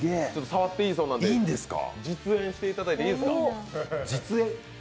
触ってもいいそうなので実演していただいていいですか？